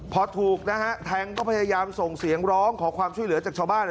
พอถูกนะฮะแทงก็พยายามส่งเสียงร้องขอความช่วยเหลือจากชาวบ้าน